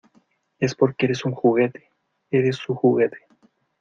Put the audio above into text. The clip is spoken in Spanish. Es porque eres un juguete. Eres su juguete .